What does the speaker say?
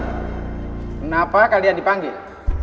kenapa kalian dipanggil